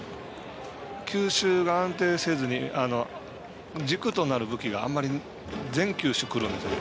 球種が安定せずに軸となる武器があまり全球種くるんですよね。